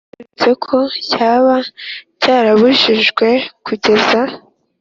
biturutse ko cyaba cyarabujijwe kugenda